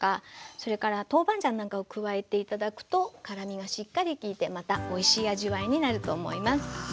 それから豆板醤なんかを加えて頂くと辛みがしっかり利いてまたおいしい味わいになると思います。